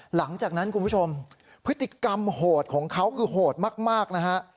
หลังจากนั้นคุณผู้ชมพฤติกรรมโหดของเขาคือโหดมากนะฮะ